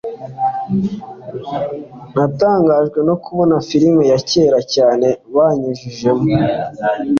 Natangajwe no kubona filime ya kera cyane bayinyujijemo